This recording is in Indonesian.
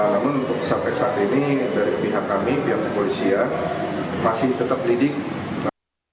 namun untuk sampai saat ini dari pihak kami pihak kepolisian masih tetap lidik